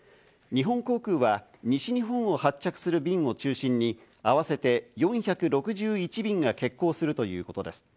日本航空は西日本を発着する便を中心に、合わせて４６１便が欠航するということです。